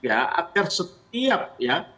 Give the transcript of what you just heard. agar setiap ya